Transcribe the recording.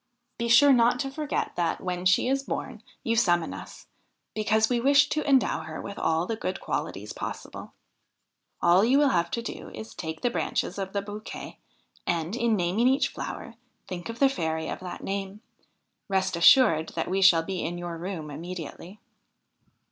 Be sure not to forget that, when she is born, you summon us, because we wish to endow her with all the good qualities possible. All you will have to do is to take the branches of the bouquet, and, in naming each flower, think of the fairy of that name ; rest assured that we shall be in your room immediately.'